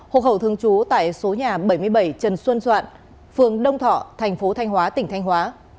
hộ khẩu thương chú tại số nhà bảy mươi bảy trần xuân soạn phường đông thọ thành phố thanh hóa tỉnh thanh hóa